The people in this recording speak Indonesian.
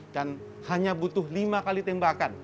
dan hanya butuh lima kali tembakan